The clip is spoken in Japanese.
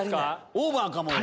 オーバーかもよ。